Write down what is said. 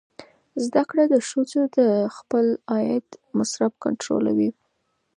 زده کړه ښځه د خپل عاید مصرف کنټرولوي.